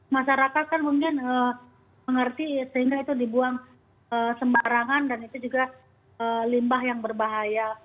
masyarakat kan mungkin mengerti sehingga itu dibuang sembarangan dan itu juga limbah yang berbahaya